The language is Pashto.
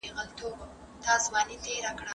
که مورنۍ ژبه رواج ولري، ټولنیز نظم نه خرابېږي.